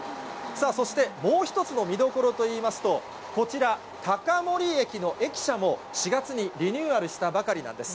そして、もう一つの見どころといいますと、こちら、高森駅の駅舎も４月にリニューアルしたばかりなんです。